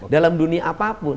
dalam dunia apapun